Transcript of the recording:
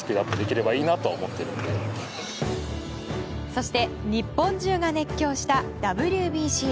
そして日本中が熱狂したＷＢＣ。